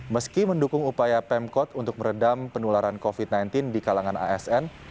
meski mendukung upaya pemkot untuk meredam penularan covid sembilan belas di kalangan asn